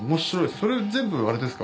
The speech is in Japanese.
それ全部あれですか？